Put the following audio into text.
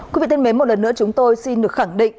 quý vị thân mến một lần nữa chúng tôi xin được khẳng định